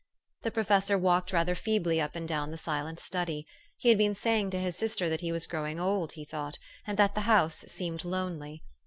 The professor walked rather feebly up and down the silent study. He had been saying to his sister that he was growing old, he thought, and that the house seemed lonely.